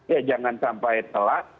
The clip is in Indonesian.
ya jangan sampai telat